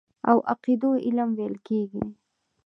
او عقيدو علم ويل کېږي.